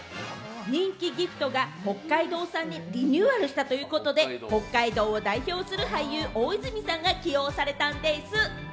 人気ギフトが北海道産にリニューアルしたということで、北海道を代表する俳優、大泉さんが起用されたんでぃす。